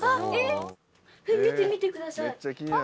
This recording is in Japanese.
見てみてください。